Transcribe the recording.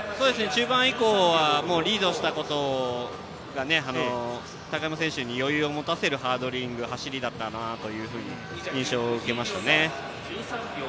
中盤以降はリードしたことが高山選手に余裕を持たせるハードリング走りだったという印象でした。